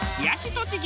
栃木